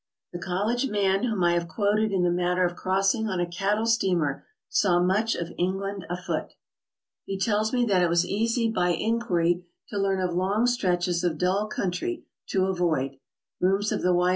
The college man whom I have quoted in the matter of crossing on a cattle steamer, saw much of England a foot. He tells ime that it was easy by inquiry to learn of long stretches of dull country to avoid. Rooms of the Y.